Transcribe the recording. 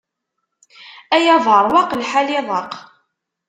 Ay aberwaq, lḥal iḍaq.